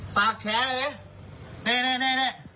ฝากแช้ไหนเน่